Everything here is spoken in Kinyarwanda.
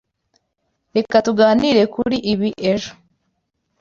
Reka tuganire kuri ibi ejo.